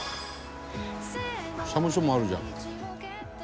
「社務所もあるじゃん」